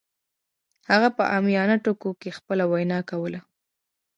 هغه په عامیانه ټکو کې خپله وینا کوله